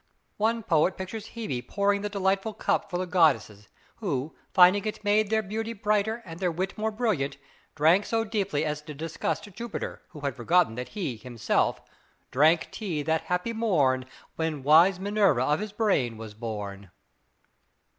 One poet pictures Hebe pouring the delightful cup for the goddesses, who, finding it made their beauty brighter and their wit more brilliant, drank so deeply as to disgust Jupiter, who had forgotten that he, himself, "Drank tea that happy morn, When wise Minerva of his brain was born."